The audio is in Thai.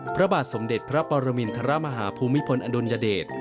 พระบาทสมเด็จพระปรมินทรมาฮาภูมิพลอดุลยเดช